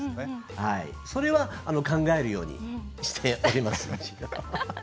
それは考えるようにしていますね。